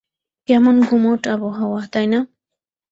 কেমন গুমোট আবহাওয়া, তাই না?